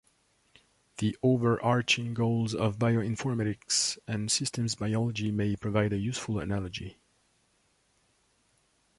The overarching goals of bioinformatics and systems biology may provide a useful analogy.